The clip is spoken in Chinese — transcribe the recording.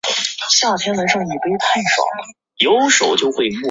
专用经文有所不同。